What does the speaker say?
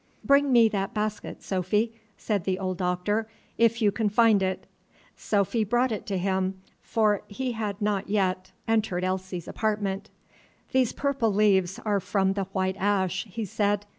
"Bring me that basket, Sophy," said the old Doctor, "if you can find it." Sophy brought it to him, for he had not yet entered Elsie's apartment. "These purple leaves are from the white ash," he said.